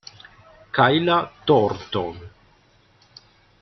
Kayla Thornton